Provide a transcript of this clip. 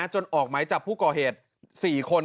จนออกไหมจากผู้ก่อเหตุ๔คน